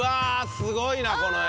すごいなこの絵。